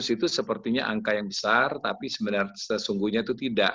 dua ribu itu sepertinya angka yang besar tapi sebenarnya sesungguhnya itu tidak